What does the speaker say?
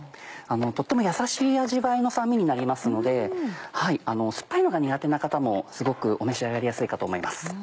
とってもやさしい味わいの酸味になりますので酸っぱいのが苦手な方もすごくお召し上がりやすいかと思います。